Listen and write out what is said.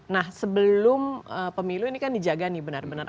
nah sebelum pemilu ini kan dijaga nih benar benar